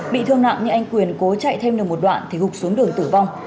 bị thương nặng nhưng anh quyền cố chạy thêm được một đoạn thì gục xuống đường tử vong